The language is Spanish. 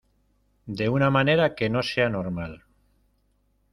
de una manera que no sea normal.